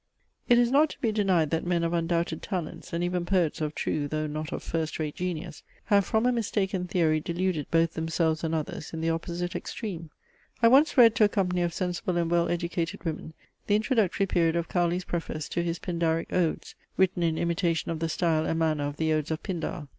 It is not to be denied that men of undoubted talents, and even poets of true, though not of first rate, genius, have from a mistaken theory deluded both themselves and others in the opposite extreme. I once read to a company of sensible and well educated women the introductory period of Cowley's preface to his "Pindaric Odes," written in imitation of the style and manner of the odes of Pindar.